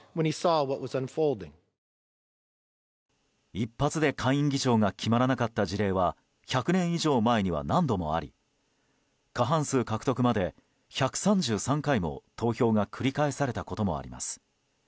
一発で下院議長が決まらなかった事例は１００年以上前には何度もあり過半数獲得まで１３３回も投票が繰り返されたこともあります。